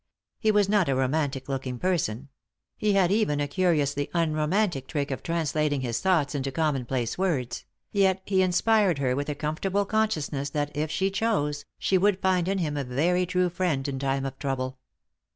He was not a romantic looking person; he had even a curiously tmromantic trick of translating his thoughts into commonplace words ; yet he inspired her with a comfortable consciousness that, if she chose, she would find in him a very true friend in time of trouble.